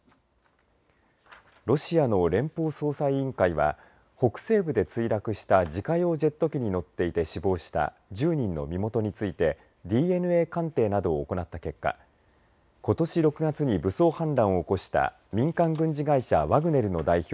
ロシアの連邦捜査委員会は北西部で墜落した自家用ジェット機に乗っていて死亡した１０人の身元についてＤＮＡ鑑定などを行った結果ことし６月に武装反乱を起こした民間軍事会社ワグネルの代表